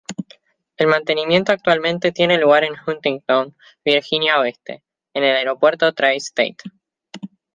El mantenimiento actualmente tiene lugar en Huntington, Virginia Oeste, en el aeropuerto Tri-State.